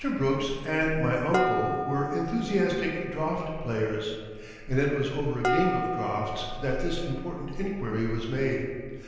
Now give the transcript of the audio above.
Brooks and my uncle were enthusiastic draught players, and it was over a game of draughts that this important inquiry was made.